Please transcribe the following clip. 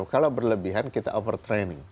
kalau berlebihan kita over training